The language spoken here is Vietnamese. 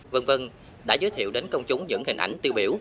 vân vân đã giới thiệu đến công chúng những hình ảnh tiêu biểu